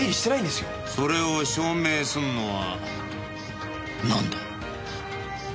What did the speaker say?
それを証明すんのはなんだ？